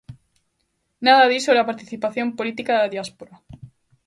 Nada di sobre a participación política da diáspora.